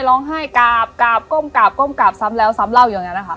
ร้องไห้กราบกราบก้มกราบก้มกราบซ้ำแล้วซ้ำเล่าอย่างนั้นนะคะ